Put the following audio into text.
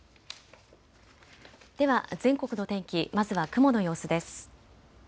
では全国の天気、まずは雲の様子です。